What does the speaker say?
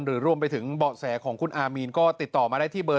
หรือรวมไปถึงเบาะแสของคุณอามีนก็ติดต่อมาได้ที่เบอร์